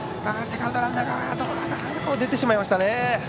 セカンドランナーが出てしまいましたね。